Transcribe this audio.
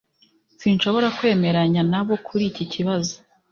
Sinshobora kwemeranya nabo kuri iki kibazo